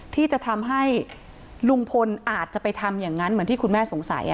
ที่จะทำให้ลุงพลอาจจะไปทำอย่างนั้นเหมือนที่คุณแม่สงสัย